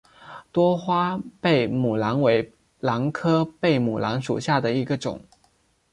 多花贝母兰为兰科贝母兰属下的一个种。